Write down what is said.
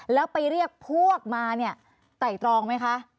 แล้วไปเรียกพวกมาเนี่ยไต่ตรองไหมคะ